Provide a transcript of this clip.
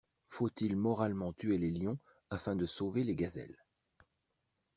Faut-il moralement tuer les lions afin de sauver les gazelles?